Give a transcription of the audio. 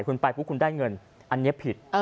คุณไปปุ๊บคุณได้เงินอันนี้ผิด